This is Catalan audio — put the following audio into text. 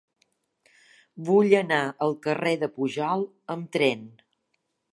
Vull anar al carrer de Pujol amb tren.